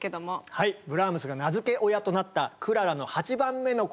はいブラームスが名づけ親となったクララの８番目のこども